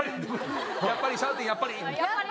やっぱりシャオティンやっぱり？